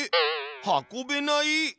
運べない。